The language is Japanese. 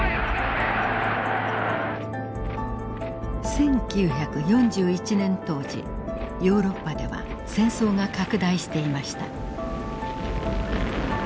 １９４１年当時ヨーロッパでは戦争が拡大していました。